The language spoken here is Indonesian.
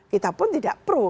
kita pun tidak pro